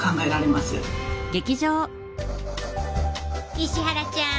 石原ちゃん。